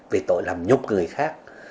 vì tội làm nhục người khác